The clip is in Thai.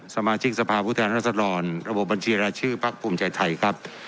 สมาชิกสภาพุทธแหละสลอนระบบบัญชีราชชื่อภักดิ์ภูมิใจไทยครับ